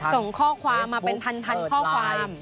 ส่งข้อความมาเป็นพันข้อความ